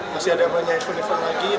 masih ada banyak event event lagi